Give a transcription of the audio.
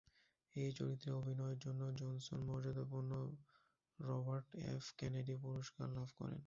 এই চরিত্রে অভিনয়ের জন্য জনসন মর্যাদাপূর্ণ রবার্ট এফ কেনেডি পুরস্কার লাভ করেন।